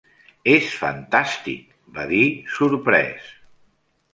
És fantàstic, va dir sorprès.